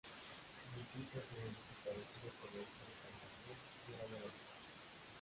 Noticias sobre el desaparecido Colegio de San Gabriel, de Valladolid.